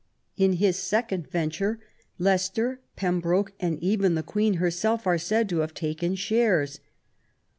In his second venture, Leicester, Pembroke, and even the Queen herself, are said to have taken shares.